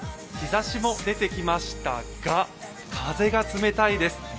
日ざしも出てきましたが風が冷たいです。